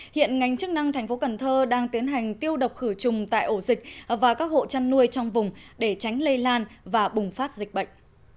hiện ngành chức năng tp cn đang tiến hành tiêu độc khử chùng tại ổ dịch và các hộ chăn nuôi trong vùng để tránh lây lan và bùng phát dịch bệnh